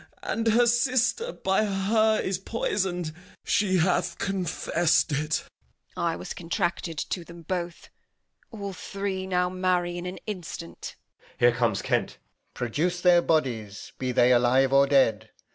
and her sister By her is poisoned; she hath confess'd it. Edm. I was contracted to them both. All three Now marry in an instant. Enter Kent. Edg. Here comes Kent. Alb. Produce their bodies, be they alive or dead.